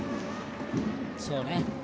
そうね。